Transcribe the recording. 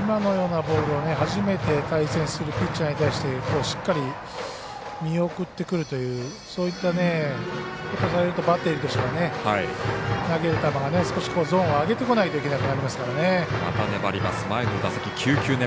今のようなボールを初めて対戦するピッチャーに対してしっかり見送ってくるというそういったことをされるとバッテリーとしては投げる球が少しゾーンを上げてこないとストライク。